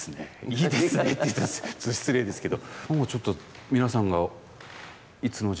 いいですねって言ったらちょっと失礼ですけど。